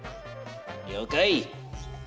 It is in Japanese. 了解！